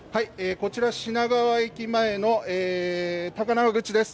こちら品川駅前の高輪口です